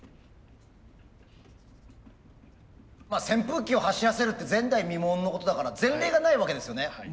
扇風機を走らせるって前代未聞のことだから前例がないわけですよね。